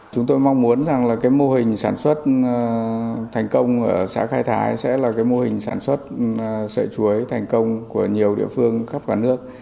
chúng tôi mong muốn rằng là cái mô hình sản xuất thành công ở xã khai thái sẽ là cái mô hình sản xuất sợi chuối thành công của nhiều địa phương khắp cả nước